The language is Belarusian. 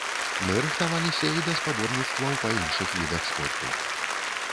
Мы рыхтаваліся і да спаборніцтваў па іншых відах спорту.